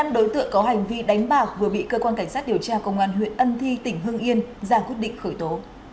năm đối tượng có hành vi đánh bạc vừa bị cơ quan cảnh sát điều tra công an huyện ân thi tỉnh hưng yên ra quyết định khởi tố